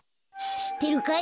しってるかい？